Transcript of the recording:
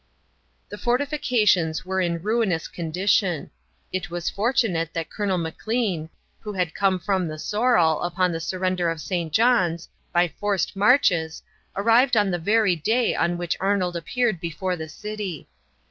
The fortifications were in a ruinous condition. It was fortunate that Colonel Maclean, who had come from the Sorrel, upon the surrender of St. John's, by forced marches, arrived on the very day on which Arnold appeared before the city.